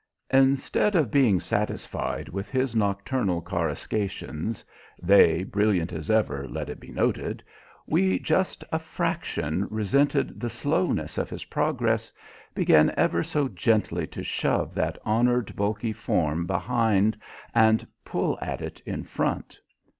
Instead of being satisfied with his nocturnal coruscations they brilliant as ever, let it be noted we just a fraction resented the slowness of his progress, began ever so gently to shove that honoured bulky form behind and pull at it in front.